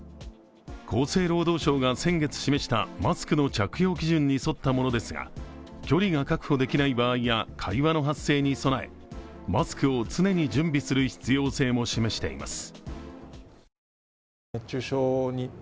厚生労働省が先月示したマスクの着用基準に沿ったものですが、距離が確保できない場合や会話の発生に備えマスクを常に準備する必要性も示しています。